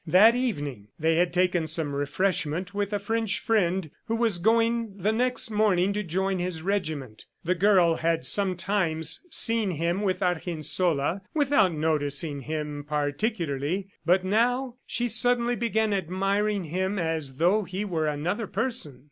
That evening they had taken some refreshment with a French friend who was going the next morning to join his regiment. The girl had sometimes seen him with Argensola without noticing him particularly, but now she suddenly began admiring him as though he were another person.